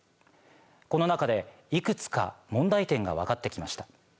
この中でいくつか問題点が分かって来ました。